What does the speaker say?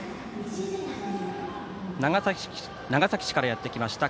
長崎市からやってきました